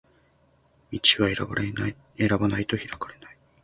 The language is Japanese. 道は選ばないと開かれない